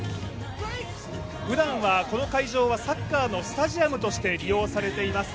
ふだんはこの会場はサッカーのスタジアムとして利用されています。